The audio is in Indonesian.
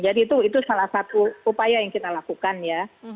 jadi itu salah satu upaya yang kita lakukan ya